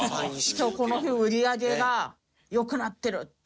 今日この日売り上げが良くなってるって。